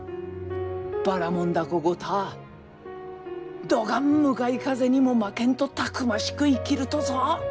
ばらもん凧ごたぁどがん向かい風にも負けんとたくましく生きるとぞ。